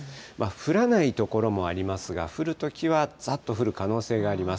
降らない所もありますが、降るときはざっと降る可能性があります。